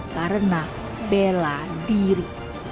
karena bela diri